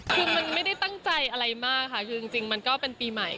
คือมันไม่ได้ตั้งใจอะไรมากค่ะคือจริงมันก็เป็นปีใหม่